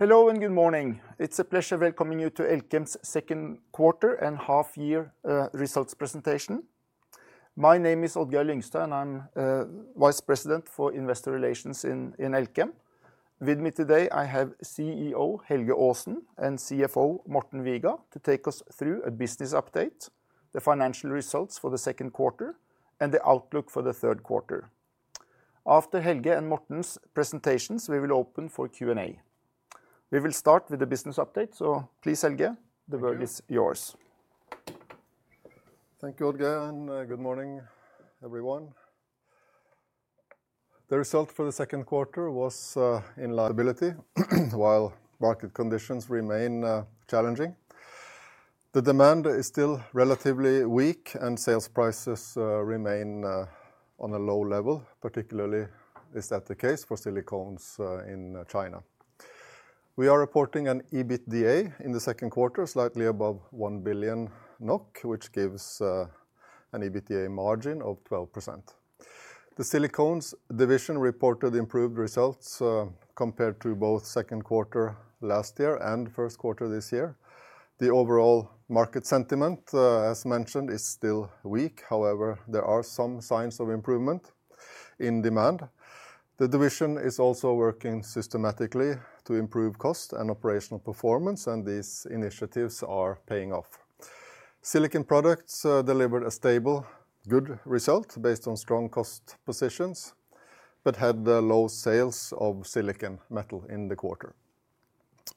Hello, and good morning. It's a pleasure welcoming you to Elkem's second quarter and half year results presentation. My name is Odd-Geir Lyngstad, and I'm Vice President for Investor Relations in Elkem. With me today, I have CEO Helge Aasen and CFO Morten Viga to take us through a business update, the financial results for the second quarter, and the outlook for the third quarter. After Helge and Morten's presentations, we will open for Q&A. We will start with the business update, so please, Helge, the world is yours. Thank you, Odd-Geir, and good morning, everyone. The result for the second quarter was profitability, while market conditions remain challenging. The demand is still relatively weak, and sales prices remain on a low level, particularly, that is the case for silicones in China. We are reporting an EBITDA in the second quarter, slightly above 1 billion NOK, which gives an EBITDA margin of 12%. The Silicones division reported improved results compared to both second quarter last year and first quarter this year. The overall market sentiment, as mentioned, is still weak. However, there are some signs of improvement in demand. The division is also working systematically to improve cost and operational performance, and these initiatives are paying off. Silicon Products delivered a stable, good result based on strong cost positions, but had the low sales of silicon metal in the quarter.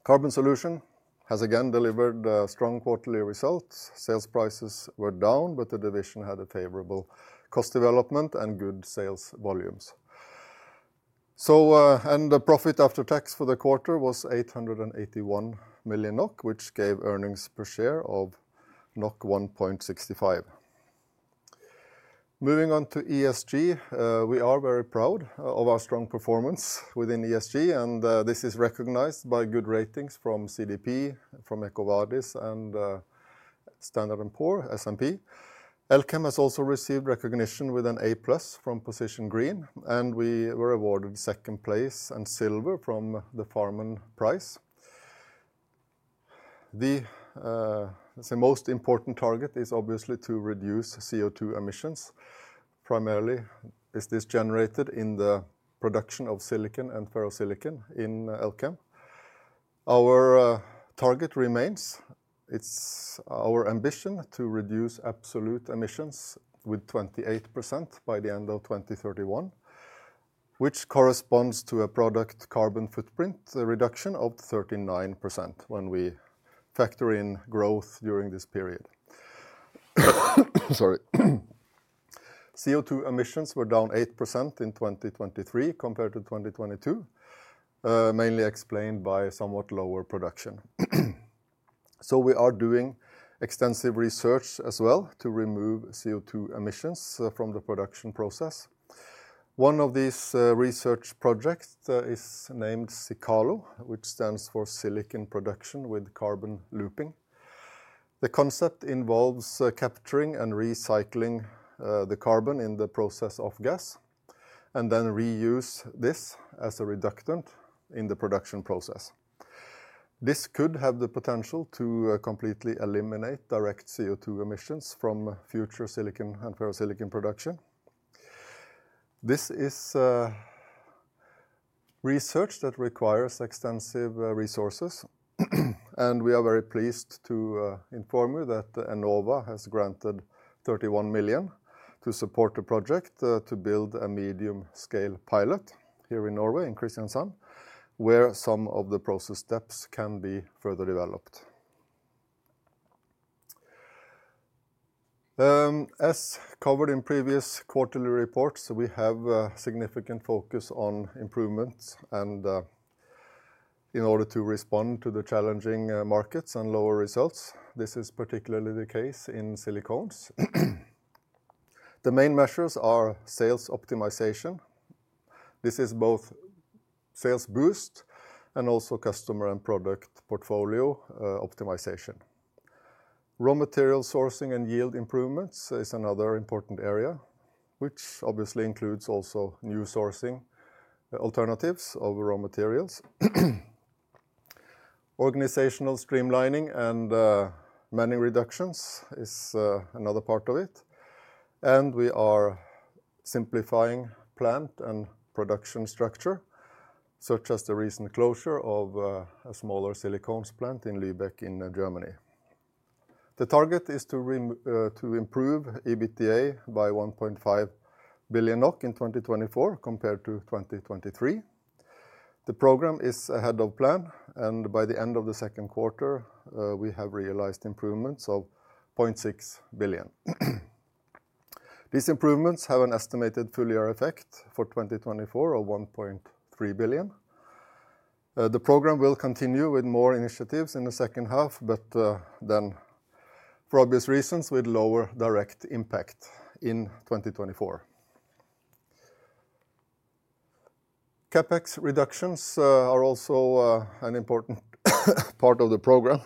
Carbon Solutions has again delivered strong quarterly results. Sales prices were down, but the division had a favorable cost development and good sales volumes. And the profit after tax for the quarter was 881 million NOK, which gave earnings per share of 1.65. Moving on to ESG, we are very proud of our strong performance within ESG, and this is recognized by good ratings from CDP, from EcoVadis, and Standard and Poor's, S&P. Elkem has also received recognition with an A+ from Position Green, and we were awarded second place and silver from the Farmand Prize. The most important target is obviously to reduce CO2 emissions. Primarily, is this generated in the production of silicon and ferrosilicon in Elkem. Our target remains. It's our ambition to reduce absolute emissions with 28% by the end of 2031, which corresponds to a product carbon footprint, the reduction of 39% when we factor in growth during this period. Sorry. CO2 emissions were down 8% in 2023 compared to 2022, mainly explained by somewhat lower production. So we are doing extensive research as well to remove CO2 emissions from the production process. One of these research projects is named SICALO, which stands for Silicon Production with Carbon Looping. The concept involves capturing and recycling the carbon in the process of gas, and then reuse this as a reductant in the production process. This could have the potential to completely eliminate direct CO2 emissions from future silicon and ferrosilicon production. This is research that requires extensive resources, and we are very pleased to inform you that Enova has granted 31 million to support the project to build a medium-scale pilot here in Norway, in Kristiansand, where some of the process steps can be further developed. As covered in previous quarterly reports, we have a significant focus on improvements and in order to respond to the challenging markets and lower results. This is particularly the case in silicones. The main measures are sales optimization. This is both sales boost and also customer and product portfolio optimization. Raw material sourcing and yield improvements is another important area, which obviously includes also new sourcing alternatives of raw materials. Organizational streamlining and manning reductions is another part of it, and we are simplifying plant and production structure, such as the recent closure of a smaller silicones plant in Lübeck in Germany. The target is to improve EBITDA by 1.5 billion NOK in 2024 compared to 2023. The program is ahead of plan, and by the end of the second quarter, we have realized improvements of 0.6 billion. These improvements have an estimated full year effect for 2024 of 1.3 billion. The program will continue with more initiatives in the second half, but then for obvious reasons, with lower direct impact in 2024. CapEx reductions are also an important part of the program.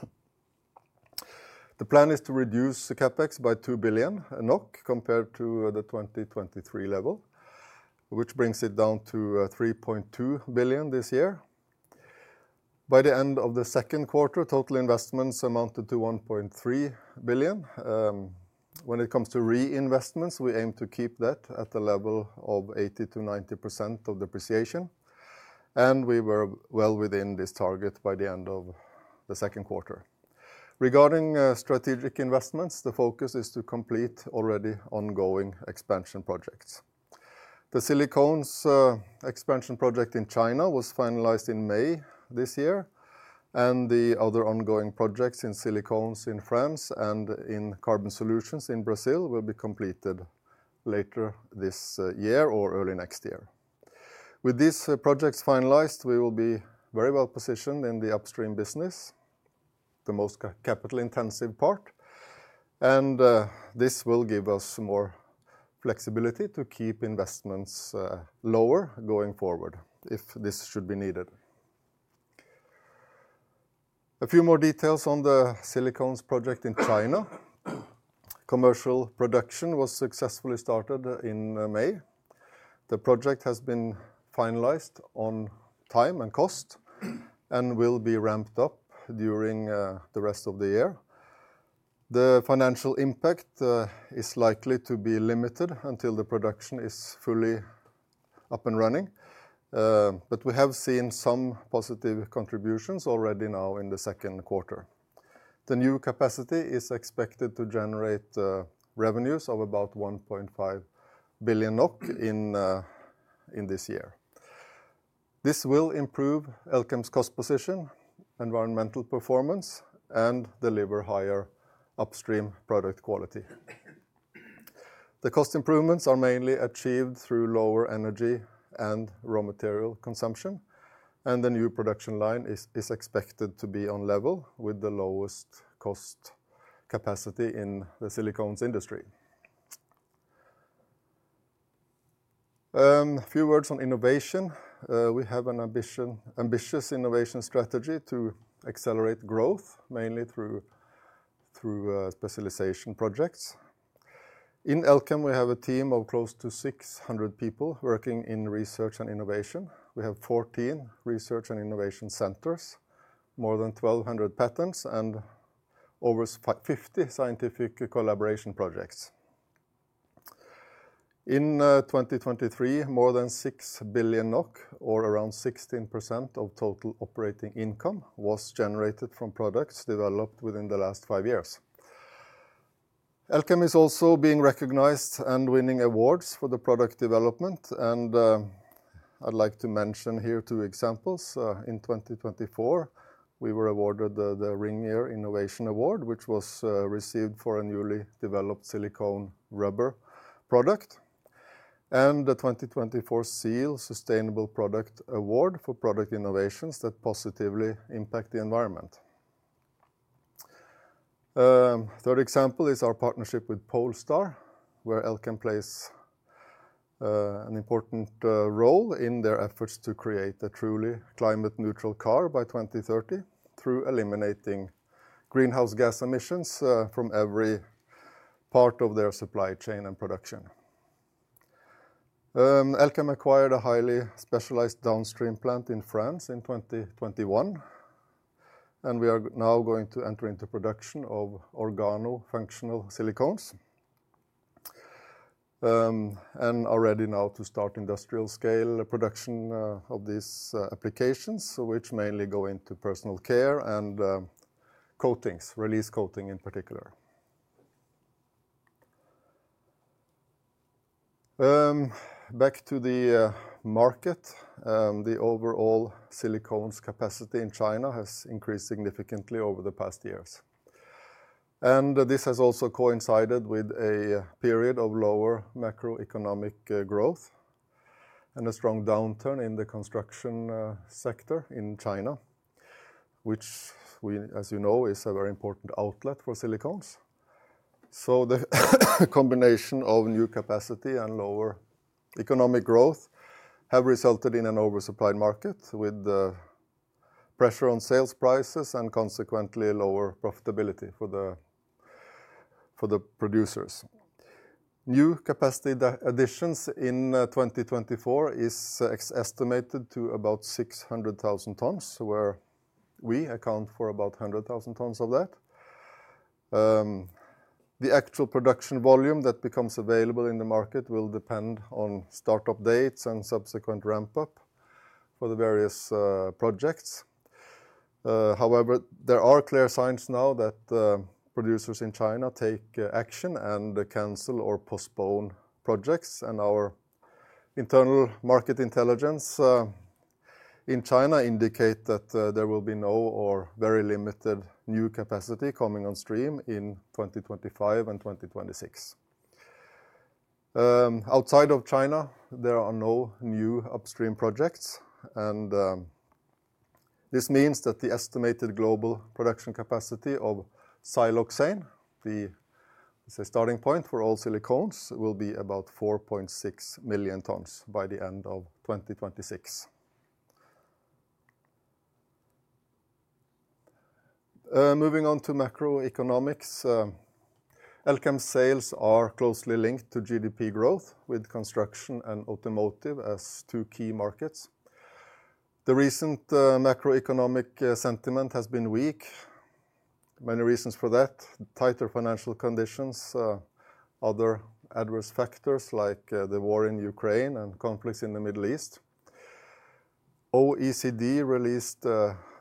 The plan is to reduce the CapEx by 2 billion NOK compared to the 2023 level, which brings it down to 3.2 billion this year. By the end of the second quarter, total investments amounted to 1.3 billion. When it comes to reinvestments, we aim to keep that at the level of 80%-90% of depreciation, and we were well within this target by the end of the second quarter. Regarding strategic investments, the focus is to complete already ongoing expansion projects. The Silicones expansion project in China was finalized in May this year, and the other ongoing projects in silicones in France and in Carbon Solutions in Brazil will be completed later this year or early next year. With these projects finalized, we will be very well positioned in the upstream business, the most capital intensive part, and this will give us more flexibility to keep investments lower going forward if this should be needed. A few more details on the silicones project in China. Commercial production was successfully started in May. The project has been finalized on time and cost and will be ramped up during the rest of the year. The financial impact is likely to be limited until the production is fully up and running, but we have seen some positive contributions already now in the second quarter. The new capacity is expected to generate revenues of about 1.5 billion NOK in this year. This will improve Elkem's cost position, environmental performance, and deliver higher upstream product quality. The cost improvements are mainly achieved through lower energy and raw material consumption, and the new production line is expected to be on level with the lowest cost capacity in the silicones industry. A few words on innovation. We have an ambitious innovation strategy to accelerate growth, mainly through specialization projects. In Elkem, we have a team of close to 600 people working in research and innovation. We have 14 research and innovation centers, more than 1,200 patents, and over 50 scientific collaboration projects. In 2023, more than 6 billion NOK, or around 16% of total operating income, was generated from products developed within the last five years. Elkem is also being recognized and winning awards for the product development, and I'd like to mention here two examples. In 2024, we were awarded the Ringier Innovation Award, which was received for a newly developed silicone rubber product, and the 2024 SEAL Sustainable Product Award for product innovations that positively impact the environment. Third example is our partnership with Polestar, where Elkem plays an important role in their efforts to create a truly climate-neutral car by 2030, through eliminating greenhouse gas emissions from every part of their supply chain and production. Elkem acquired a highly specialized downstream plant in France in 2021, and we are now going to enter into production of organofunctional silicones. And are ready now to start industrial scale production of these applications, which mainly go into personal care and coatings, release coating in particular. Back to the market. The overall silicones capacity in China has increased significantly over the past years, and this has also coincided with a period of lower macroeconomic growth and a strong downturn in the construction sector in China, which we, as you know, is a very important outlet for silicones. So the combination of new capacity and lower economic growth have resulted in an oversupplied market, with pressure on sales prices and consequently lower profitability for the producers. New capacity additions in 2024 is estimated to about 600,000 tons, where we account for about 100,000 tons of that. The actual production volume that becomes available in the market will depend on start-up dates and subsequent ramp-up for the various projects. However, there are clear signs now that producers in China take action and cancel or postpone projects, and our internal market intelligence in China indicate that there will be no or very limited new capacity coming on stream in 2025 and 2026. Outside of China, there are no new upstream projects, and this means that the estimated global production capacity of siloxane, the starting point for all silicones, will be about 4.6 million tons by the end of 2026. Moving on to macroeconomics, Elkem sales are closely linked to GDP growth, with construction and automotive as two key markets. The recent macroeconomic sentiment has been weak. Many reasons for that: tighter financial conditions, other adverse factors like the war in Ukraine and conflicts in the Middle East. OECD released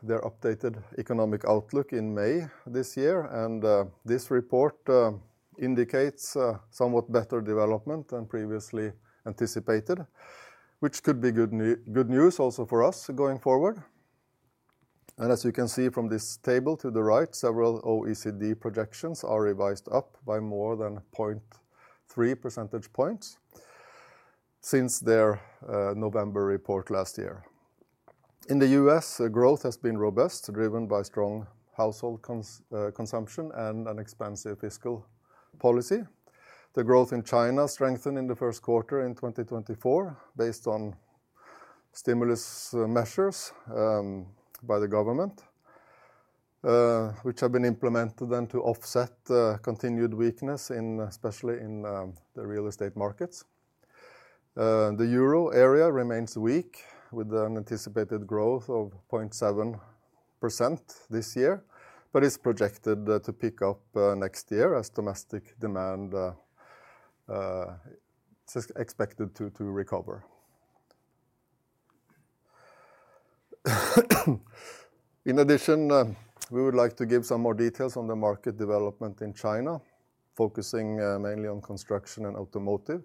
their updated economic outlook in May this year, and this report indicates somewhat better development than previously anticipated, which could be good news also for us going forward. And as you can see from this table to the right, several OECD projections are revised up by more than 0.3 percentage points since their November report last year. In the U.S., growth has been robust, driven by strong household consumption and an expansive fiscal policy. The growth in China strengthened in the first quarter in 2024, based on stimulus measures by the government, which have been implemented then to offset continued weakness in, especially in, the real estate markets. The euro area remains weak, with an anticipated growth of 0.7% this year, but it's projected to pick up next year as domestic demand is expected to recover. In addition, we would like to give some more details on the market development in China, focusing mainly on construction and automotive.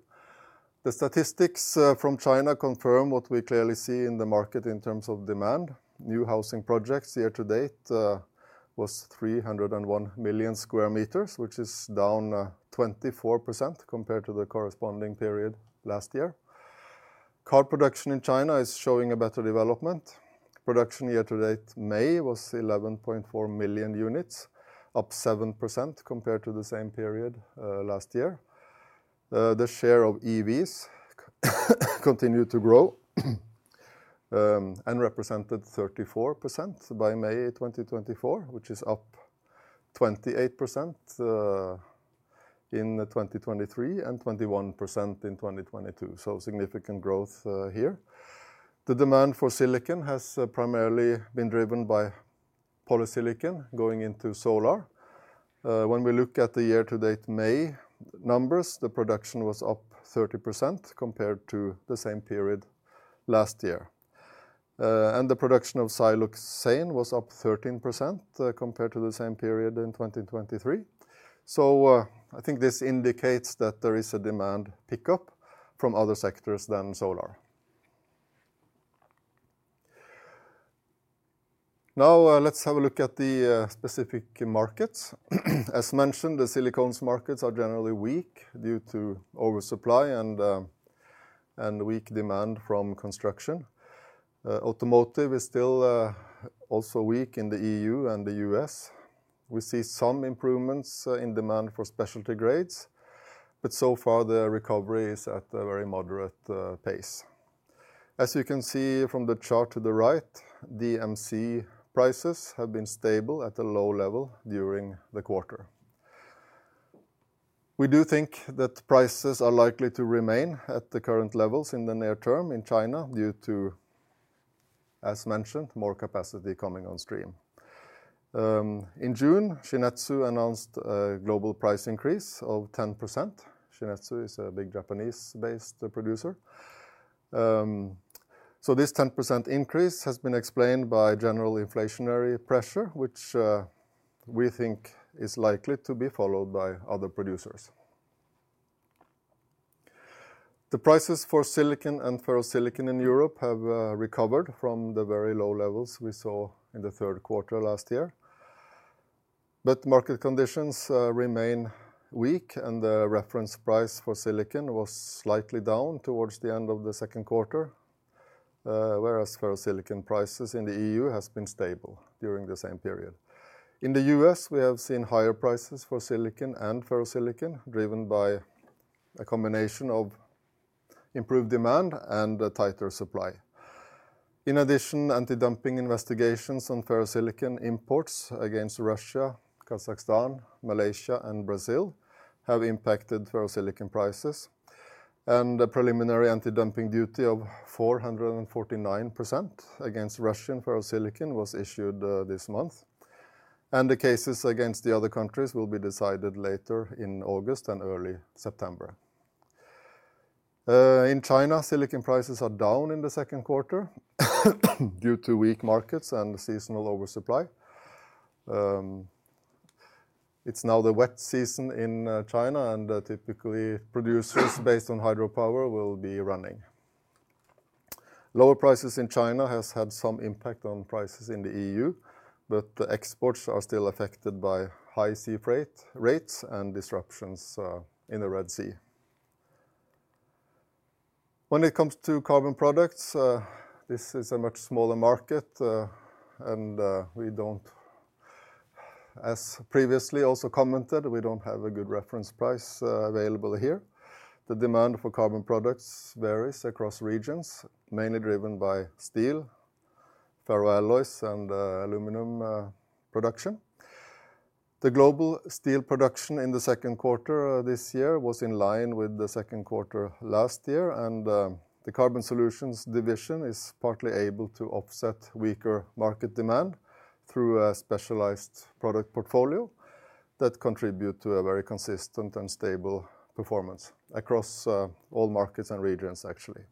The statistics from China confirm what we clearly see in the market in terms of demand. New housing projects year to date was 301 million square meters, which is down 24% compared to the corresponding period last year. Car production in China is showing a better development. Production year to date, May, was 11.4 million units, up 7% compared to the same period last year. The share of EVs continued to grow and represented 34% by May 2024, which is up 28% in 2023, and 21% in 2022. So significant growth here. The demand for silicon has primarily been driven by polysilicon going into solar. When we look at the year-to-date May numbers, the production was up 30% compared to the same period last year. And the production of siloxane was up 13% compared to the same period in 2023. So, I think this indicates that there is a demand pickup from other sectors than solar. Now, let's have a look at the specific markets. As mentioned, the silicones markets are generally weak due to oversupply and weak demand from construction. Automotive is still also weak in the EU and the US. We see some improvements in demand for specialty grades, but so far, the recovery is at a very moderate pace. As you can see from the chart to the right, DMC prices have been stable at a low level during the quarter. We do think that prices are likely to remain at the current levels in the near term in China, due to, as mentioned, more capacity coming on stream. In June, Shin-Etsu announced a global price increase of 10%. Shin-Etsu is a big Japanese-based producer. So this 10% increase has been explained by general inflationary pressure, which we think is likely to be followed by other producers. The prices for silicon and ferrosilicon in Europe have recovered from the very low levels we saw in the third quarter last year. But market conditions remain weak, and the reference price for silicon was slightly down towards the end of the second quarter, whereas ferrosilicon prices in the EU has been stable during the same period. In the U.S., we have seen higher prices for silicon and ferrosilicon, driven by a combination of improved demand and a tighter supply. In addition, anti-dumping investigations on ferrosilicon imports against Russia, Kazakhstan, Malaysia, and Brazil have impacted ferrosilicon prices. A preliminary anti-dumping duty of 449% against Russian ferrosilicon was issued this month, and the cases against the other countries will be decided later in August and early September. In China, silicon prices are down in the second quarter, due to weak markets and seasonal oversupply. It's now the wet season in China, and typically, producers based on hydropower will be running. Lower prices in China has had some impact on prices in the EU, but the exports are still affected by high sea freight rates and disruptions in the Red Sea. When it comes to carbon products, this is a much smaller market, and as previously also commented, we don't have a good reference price available here. The demand for carbon products varies across regions, mainly driven by steel, ferroalloys, and aluminum production. The global steel production in the second quarter this year was in line with the second quarter last year, and the carbon solutions division is partly able to offset weaker market demand through a specialized product portfolio that contribute to a very consistent and stable performance across all markets and regions, actually.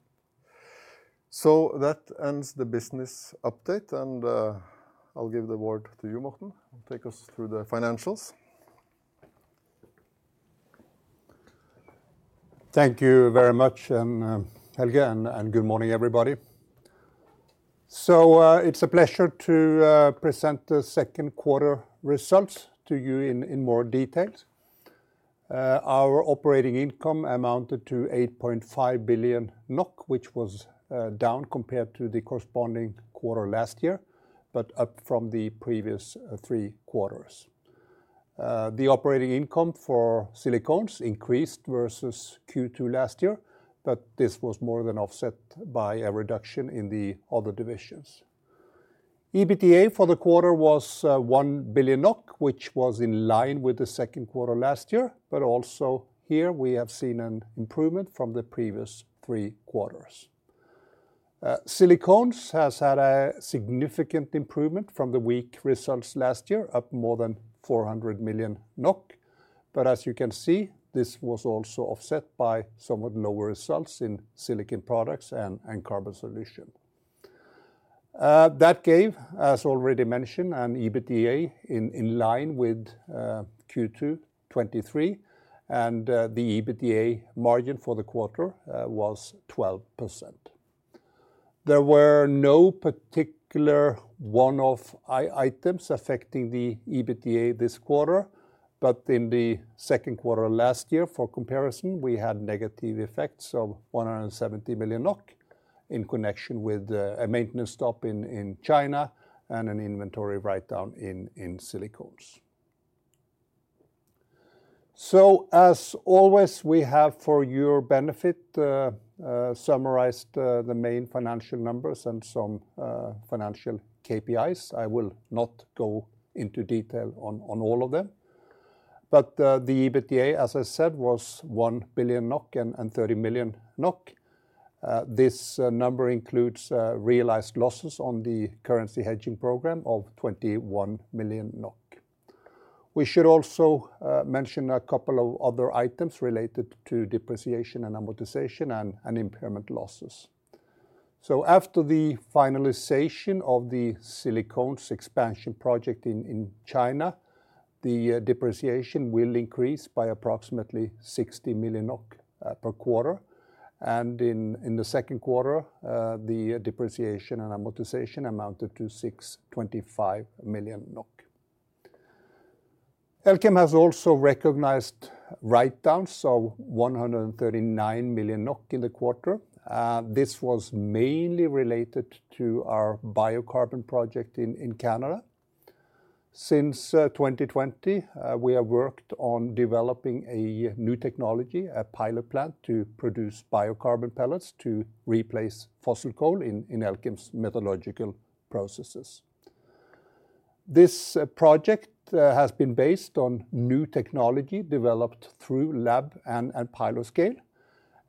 So that ends the business update, and I'll give the word to you, Morten, take us through the financials. Thank you very much, Helge, and good morning, everybody. So, it's a pleasure to present the second quarter results to you in more details. Our operating income amounted to 8.5 billion NOK, which was down compared to the corresponding quarter last year, but up from the previous three quarters. The operating income for Silicones increased versus Q2 last year, but this was more than offset by a reduction in the other divisions. EBITDA for the quarter was 1 billion NOK, which was in line with the second quarter last year, but also here we have seen an improvement from the previous three quarters. Silicones has had a significant improvement from the weak results last year, up more than 400 million NOK. But as you can see, this was also offset by somewhat lower results in Silicon Products and Carbon Solutions. That gave, as already mentioned, an EBITDA in line with Q2 2023, and the EBITDA margin for the quarter was 12%. There were no particular one-off items affecting the EBITDA this quarter, but in the second quarter last year, for comparison, we had negative effects of 170 million NOK in connection with a maintenance stop in China and an inventory write-down in Silicones. So as always, we have, for your benefit, summarized the main financial numbers and some financial KPIs. I will not go into detail on all of them, but the EBITDA, as I said, was 1 billion NOK and 30 million NOK. This number includes realized losses on the currency hedging program of 21 million NOK. We should also mention a couple of other items related to depreciation and amortization and impairment losses. So after the finalization of the Silicones expansion project in China, the depreciation will increase by approximately 60 million NOK per quarter, and in the second quarter, the depreciation and amortization amounted to 625 million NOK. Elkem has also recognized write-downs of 139 million NOK in the quarter. This was mainly related to our biocarbon project in Canada. Since 2020, we have worked on developing a new technology, a pilot plant, to produce biocarbon pellets to replace fossil coal in Elkem's metallurgical processes. This project has been based on new technology developed through lab and pilot scale,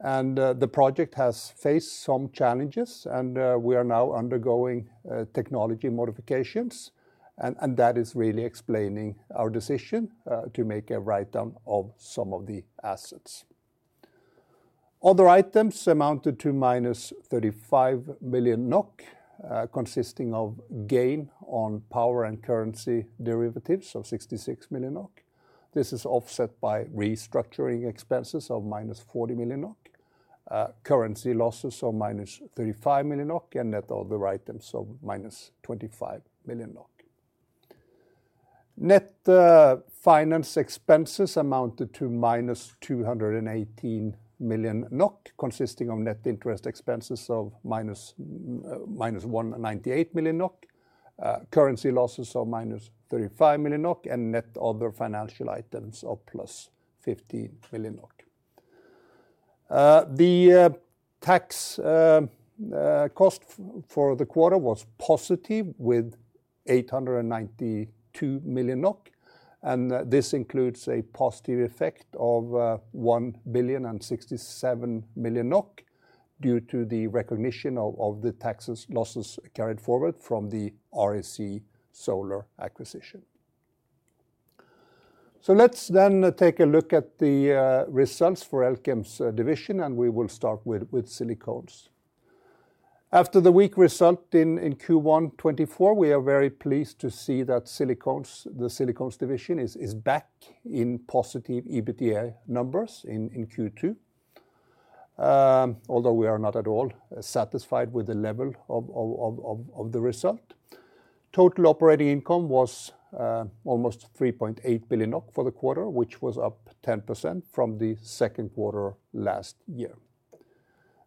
and the project has faced some challenges, and we are now undergoing technology modifications, and that is really explaining our decision to make a write-down of some of the assets. Other items amounted to -35 million NOK, consisting of gain on power and currency derivatives of 66 million NOK. This is offset by restructuring expenses of -40 million NOK, currency losses of -35 million NOK, and net other items of -25 million NOK. Net finance expenses amounted to -218 million NOK, consisting of net interest expenses of -198 million NOK, currency losses of -35 million NOK, and net other financial items of +50 million NOK. The tax cost for the quarter was positive, with 892 million NOK, and this includes a positive effect of 1.067 billion NOK due to the recognition of the tax losses carried forward from the REC Solar acquisition. So let's then take a look at the results for Elkem's division, and we will start with Silicones. After the weak result in Q1 2024, we are very pleased to see that Silicones, the Silicones division is back in positive EBITDA numbers in Q2. Although we are not at all satisfied with the level of the result. Total operating income was almost 3.8 billion NOK for the quarter, which was up 10% from the second quarter last year.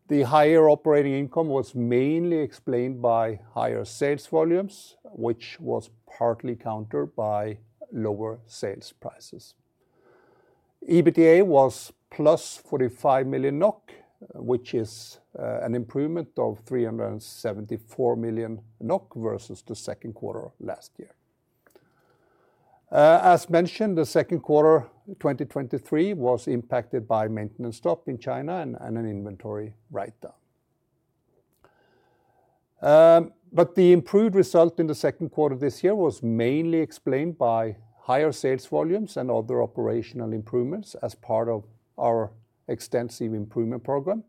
The higher operating income was mainly explained by higher sales volumes, which was partly countered by lower sales prices. EBITDA was +45 million NOK, which is an improvement of 374 million NOK versus the second quarter of last year. As mentioned, the second quarter, 2023, was impacted by maintenance stop in China and an inventory write-down. But the improved result in the second quarter this year was mainly explained by higher sales volumes and other operational improvements as part of our extensive improvement program,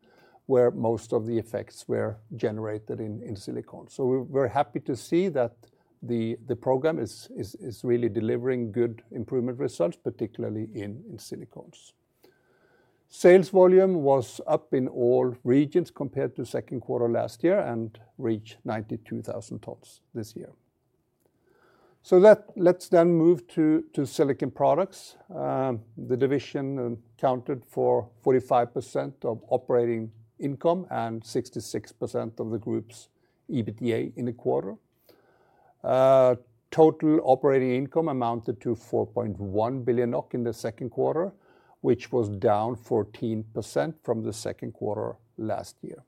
where most of the effects were generated in Silicones. So we're happy to see that the program is really delivering good improvement results, particularly in Silicones. Sales volume was up in all regions compared to second quarter last year and reached 92,000 tons this year. Let's then move to Silicon Products. The division accounted for 45% of operating income and 66% of the group's EBITDA in the quarter. Total operating income amounted to 4.1 billion in the second quarter, which was down 14% from the second quarter last year.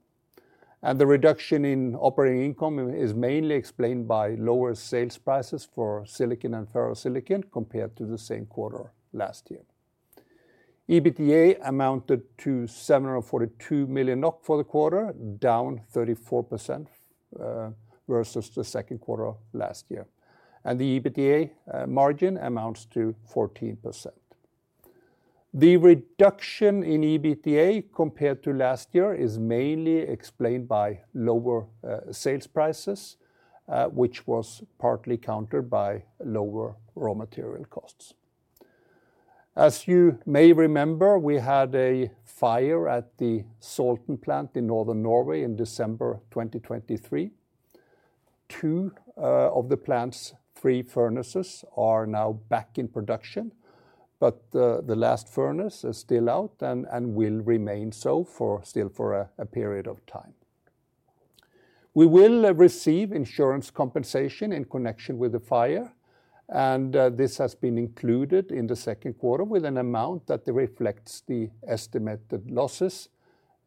The reduction in operating income is mainly explained by lower sales prices for silicon and ferrosilicon compared to the same quarter last year. EBITDA amounted to 742 million NOK for the quarter, down 34% versus the second quarter of last year, and the EBITDA margin amounts to 14%. The reduction in EBITDA compared to last year is mainly explained by lower sales prices, which was partly countered by lower raw material costs. As you may remember, we had a fire at the Salten plant in northern Norway in December 2023. Two of the plant's three furnaces are now back in production, but the last furnace is still out and will remain so for still a period of time. We will receive insurance compensation in connection with the fire, and this has been included in the second quarter with an amount that reflects the estimated losses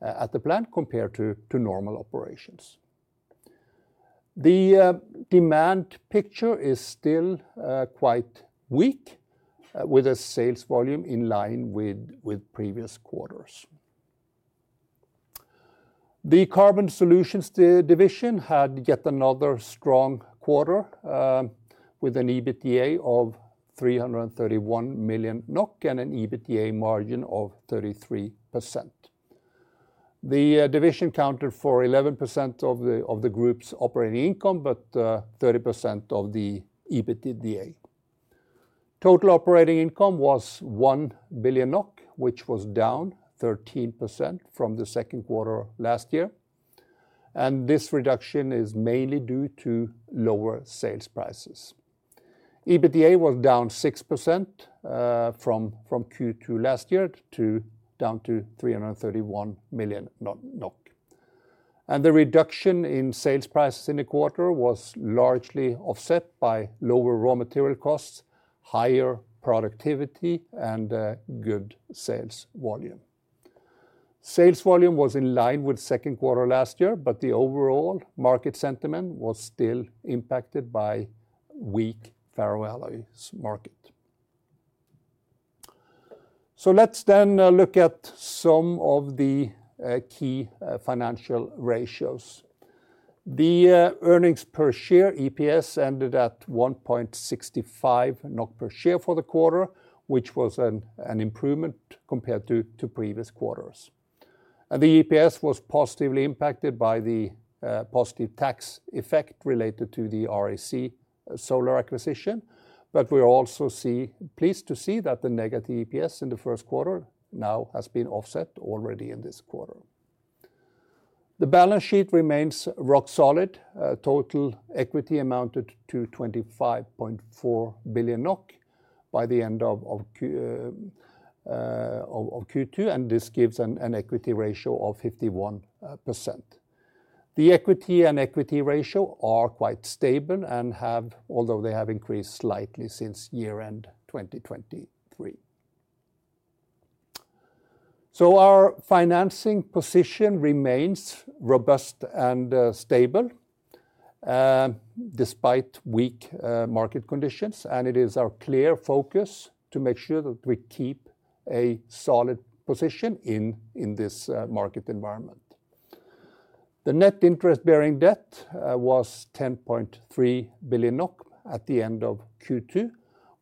at the plant compared to normal operations. The demand picture is still quite weak with a sales volume in line with previous quarters. The Carbon Solutions division had yet another strong quarter with an EBITDA of 331 million NOK and an EBITDA margin of 33%. The division accounted for 11% of the group's operating income, but 30% of the EBITDA. Total operating income was 1 billion NOK, which was down 13% from the second quarter last year, and this reduction is mainly due to lower sales prices. EBITDA was down 6% from Q2 last year to 331 million NOK. And the reduction in sales prices in the quarter was largely offset by lower raw material costs, higher productivity, and good sales volume. Sales volume was in line with second quarter last year, but the overall market sentiment was still impacted by weak ferroalloys market. So let's then look at some of the key financial ratios. Earnings per share, EPS, ended at 1.65 NOK per share for the quarter, which was an improvement compared to previous quarters. The EPS was positively impacted by the positive tax effect related to the REC Solar acquisition, but we're also pleased to see that the negative EPS in the first quarter now has been offset already in this quarter. The balance sheet remains rock solid. Total equity amounted to 25.4 billion NOK by the end of Q2, and this gives an equity ratio of 51%. The equity and equity ratio are quite stable and have... although they have increased slightly since year-end 2023. So our financing position remains robust and stable, despite weak market conditions, and it is our clear focus to make sure that we keep a solid position in this market environment. The net interest-bearing debt was 10.3 billion NOK at the end of Q2,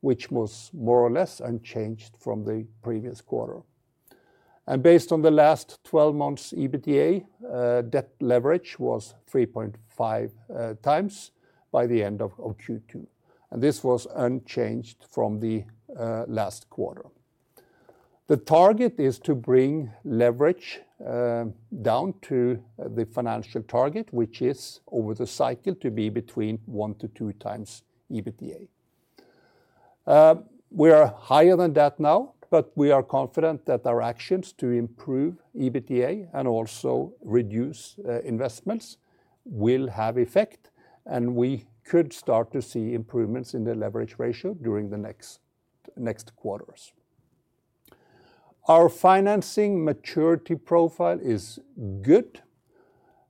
which was more or less unchanged from the previous quarter. Based on the last 12 months' EBITDA, debt leverage was 3.5 times by the end of Q2, and this was unchanged from the last quarter. The target is to bring leverage down to the financial target, which is, over the cycle, to be between 1-2 times EBITDA. We are higher than that now, but we are confident that our actions to improve EBITDA and also reduce investments will have effect, and we could start to see improvements in the leverage ratio during the next quarters. Our financing maturity profile is good,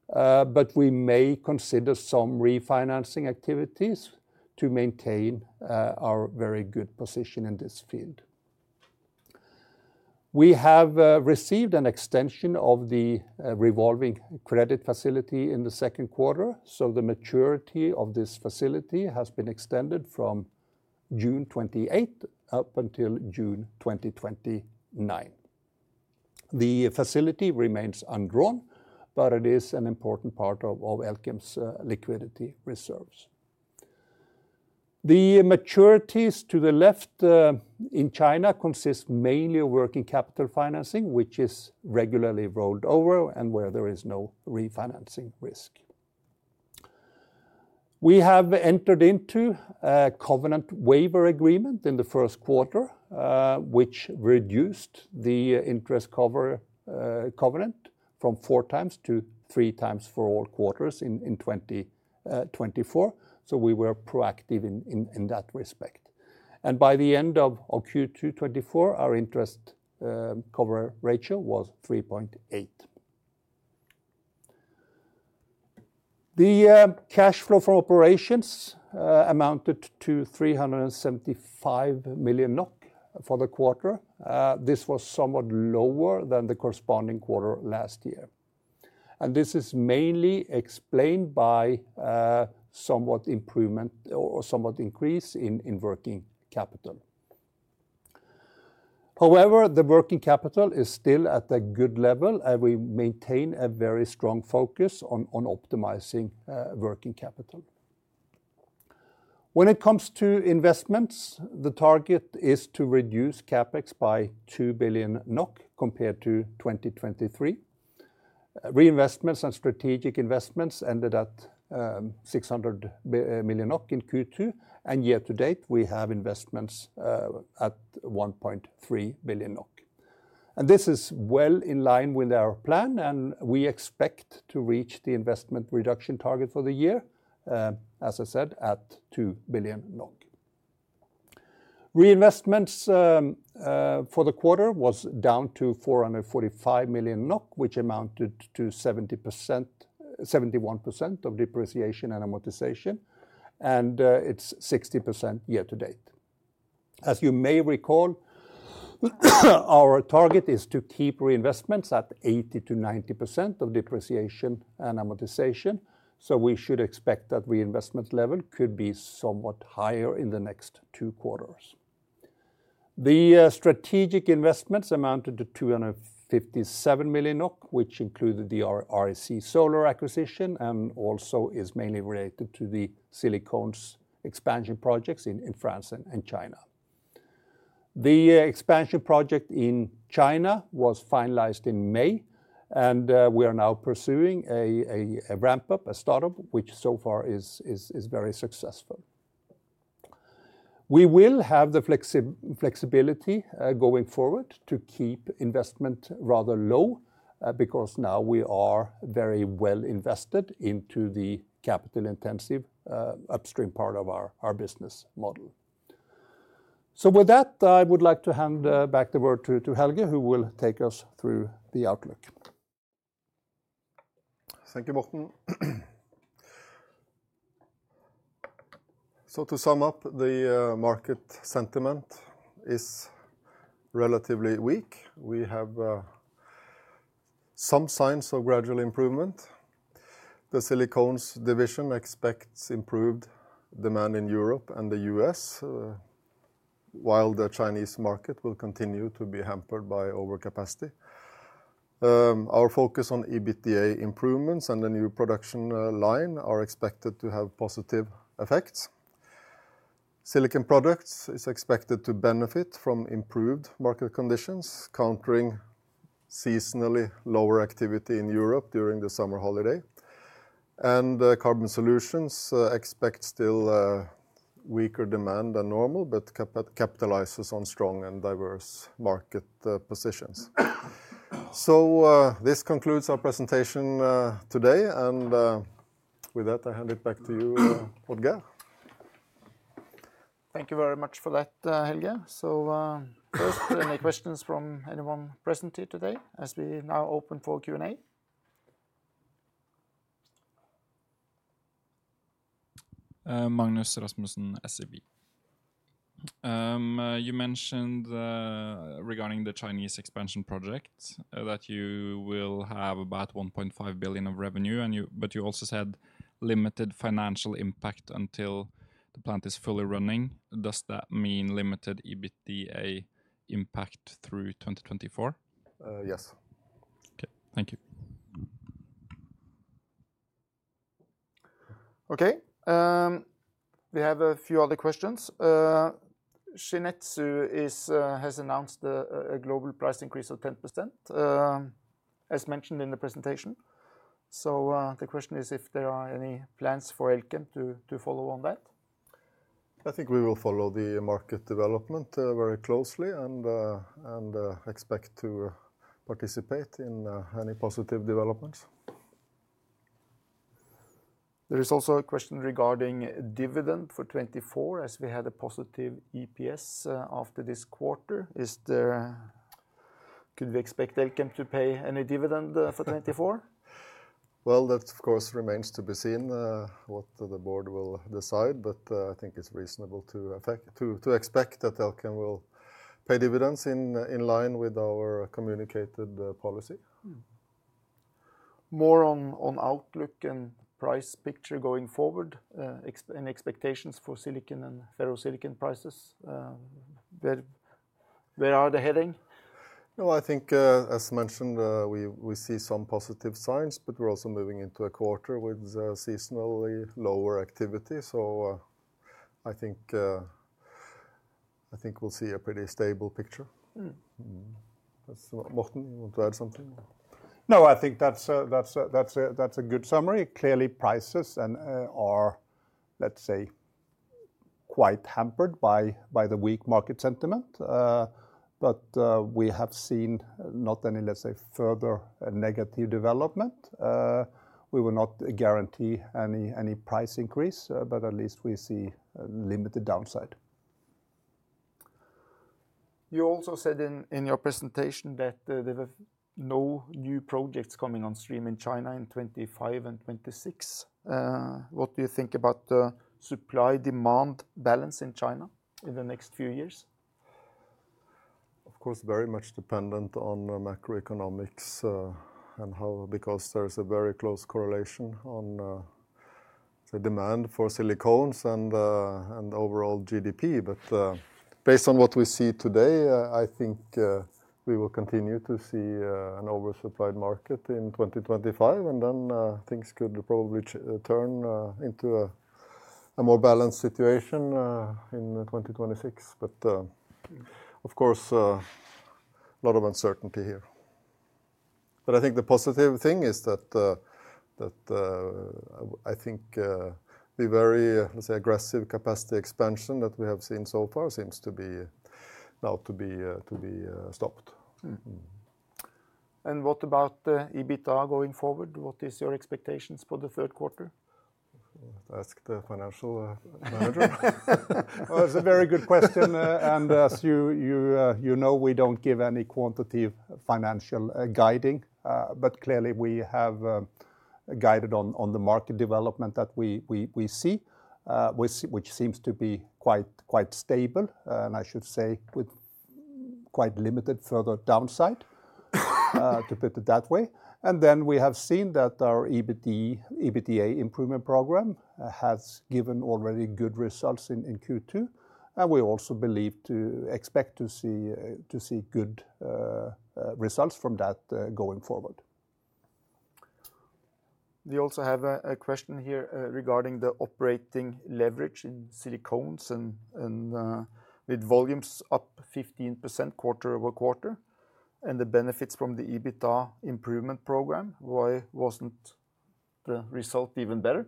but we may consider some refinancing activities to maintain our very good position in this field. We have received an extension of the revolving credit facility in the second quarter, so the maturity of this facility has been extended from June 28 up until June 2029. The facility remains undrawn, but it is an important part of Elkem's liquidity reserves. The maturities to the left in China consist mainly of working capital financing, which is regularly rolled over and where there is no refinancing risk. We have entered into a covenant waiver agreement in the first quarter, which reduced the interest cover covenant from 4 times to 3 times for all quarters in 2024, so we were proactive in that respect. By the end of Q2 2024, our interest cover ratio was 3.8. The cash flow from operations amounted to 375 million NOK for the quarter. This was somewhat lower than the corresponding quarter last year, and this is mainly explained by somewhat improvement or somewhat increase in working capital. However, the working capital is still at a good level, and we maintain a very strong focus on optimizing working capital. When it comes to investments, the target is to reduce CapEx by 2 billion NOK compared to 2023. Reinvestments and strategic investments ended at 600 million NOK in Q2, and year to date, we have investments at 1.3 billion NOK. And this is well in line with our plan, and we expect to reach the investment reduction target for the year, as I said, at 2 billion. Reinvestments for the quarter was down to 445 million NOK, which amounted to 70%...71% of depreciation and amortization, and it's 60% year to date. As you may recall, our target is to keep reinvestments at 80%-90% of depreciation and amortization, so we should expect that reinvestment level could be somewhat higher in the next two quarters. The strategic investments amounted to 257 million NOK, which included the REC Solar acquisition and also is mainly related to the silicones expansion projects in France and China. The expansion project in China was finalized in May, and we are now pursuing a ramp-up, a start-up, which so far is very successful. We will have the flexibility going forward to keep investment rather low because now we are very well invested into the capital-intensive upstream part of our business model. So with that, I would like to hand back the word to Helge, who will take us through the outlook. Thank you, Morten. So to sum up, the market sentiment is relatively weak. We have some signs of gradual improvement. The Silicones division expects improved demand in Europe and the U.S., while the Chinese market will continue to be hampered by overcapacity. Our focus on EBITDA improvements and the new production line are expected to have positive effects. Silicon Products is expected to benefit from improved market conditions, countering seasonally lower activity in Europe during the summer holiday. And, Carbon Solutions expect still weaker demand than normal, but capitalizes on strong and diverse market positions. So, this concludes our presentation today, and with that, I hand it back to you, Odd-Geir. Thank you very much for that, Helge. So, first, any questions from anyone present here today, as we now open for Q&A? Magnus Rasmussen, SEB. You mentioned, regarding the Chinese expansion project, that you will have about 1.5 billion of revenue, and but you also said limited financial impact until the plant is fully running. Does that mean limited EBITDA impact through 2024? Uh, yes. Okay. Thank you. Okay, we have a few other questions. Shin-Etsu has announced a global price increase of 10%, as mentioned in the presentation.... So, the question is if there are any plans for Elkem to follow on that? I think we will follow the market development very closely and expect to participate in any positive developments. There is also a question regarding dividend for 2024, as we had a positive EPS after this quarter. Could we expect Elkem to pay any dividend for 2024? Well, that, of course, remains to be seen, what the board will decide. But, I think it's reasonable to expect that Elkem will pay dividends in line with our communicated policy. More on outlook and price picture going forward, and expectations for silicon and ferrosilicon prices. Where are they heading? Well, I think, as mentioned, we see some positive signs, but we're also moving into a quarter with seasonally lower activity. So I think we'll see a pretty stable picture. Mm. Mm-hmm. That's... Morten, you want to add something? No, I think that's a good summary. Clearly, prices and are, let's say, quite hampered by the weak market sentiment. But we have seen not any, let's say, further negative development. We will not guarantee any price increase, but at least we see a limited downside. You also said in your presentation that there were no new projects coming on stream in China in 2025 and 2026. What do you think about the supply-demand balance in China in the next few years? Of course, very much dependent on the macroeconomics, and how... Because there is a very close correlation on, the demand for silicones and, and overall GDP. But, based on what we see today, I think, we will continue to see, an oversupplied market in 2025, and then, things could probably turn, into a more balanced situation, in 2026. But, of course, a lot of uncertainty here. But I think the positive thing is that, that, I, I think, the very, let's say, aggressive capacity expansion that we have seen so far seems to be, now to be, to be, stopped. Mm-hmm. Mm-hmm. What about the EBITDA going forward? What is your expectations for the third quarter? Ask the financial manager. Well, it's a very good question. And as you know, we don't give any quantitative financial guiding. But clearly we have guided on the market development that we see, which seems to be quite stable, and I should say, with quite limited further downside to put it that way. And then we have seen that our EBIT, EBITDA improvement program has given already good results in Q2, and we also believe to expect to see good results from that, going forward. We also have a question here, regarding the operating leverage in silicones and with volumes up 15% quarter-over-quarter, and the benefits from the EBITDA improvement program. Why wasn't the result even better?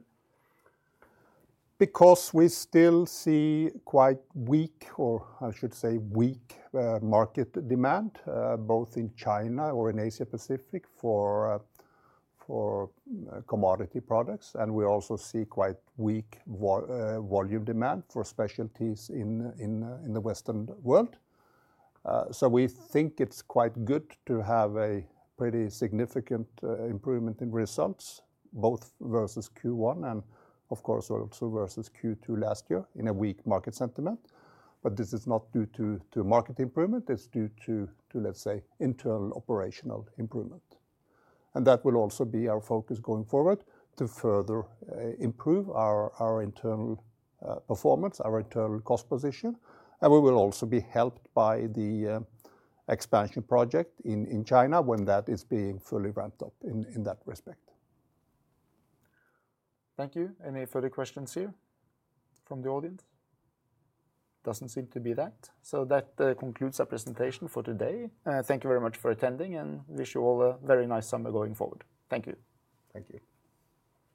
Because we still see quite weak, or I should say, weak, market demand, both in China or in Asia Pacific, for, for commodity products. And we also see quite weak volume demand for specialties in, in, in the Western world. So we think it's quite good to have a pretty significant, improvement in results, both versus Q1 and, of course, also versus Q2 last year in a weak market sentiment. But this is not due to, to market improvement, it's due to, to, let's say, internal operational improvement. And that will also be our focus going forward, to further, improve our, our internal, performance, our internal cost position, and we will also be helped by the, expansion project in, in China, when that is being fully ramped up in, in that respect. Thank you. Any further questions here from the audience? Doesn't seem to be that. So that concludes our presentation for today. Thank you very much for attending, and wish you all a very nice summer going forward. Thank you. Thank you.